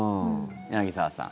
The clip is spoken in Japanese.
柳澤さん。